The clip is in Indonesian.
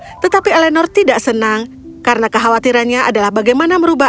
tetapi eleanor tidak senang karena kekhawatirannya adalah bagaimana merubah